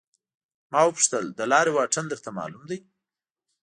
ما وپوښتل د لارې واټن درته معلوم دی.